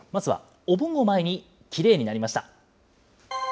まずはお盆を前にきれいになりました。